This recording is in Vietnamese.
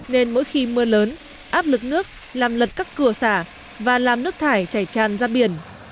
nên mỗi khi mưa lớn áp lực nước làm lật các cửa xả và làm nước thải chảy tràn ra biển